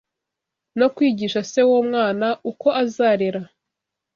no kwigisha se w’uwo mwana uko azarera